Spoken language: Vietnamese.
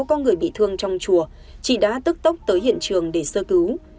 có người bị thương trong chùa chị đã tức tốc tới hiện trường để sơ cứu